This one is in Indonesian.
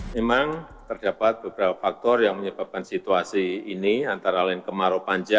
memang terdapat beberapa faktor yang menyebabkan sejumlah faktor utama yaitu emisi gas buang kendaraan industri perumahan dan aktivitas komersial lain